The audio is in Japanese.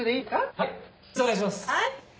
はい。